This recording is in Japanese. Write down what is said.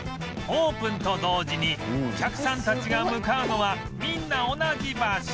オープンと同時にお客さんたちが向かうのはみんな同じ場所